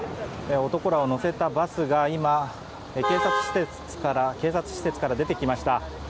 男らを乗せたバスが今、警察施設から出てきました。